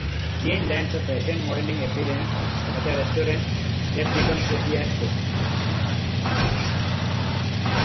Jane lands a fashion modeling appearance at a restaurant that becomes a fiasco.